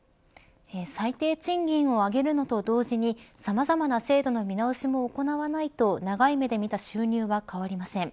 最低賃金を上げるのと同時にさまざまな制度の見直しも行わないと長い目で見た収入は変わりません。